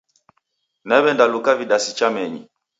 Naw'enda luka vidasi chamenyi.